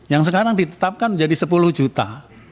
yang sekarang ditetapkan menjadi sepuluh juta